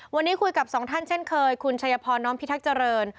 วันนี้คุยกับสองท่านเช่นเคยคุณชัยพรน้อมพิทักษ์เจริญ